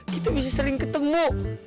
kita bisa sering ketemu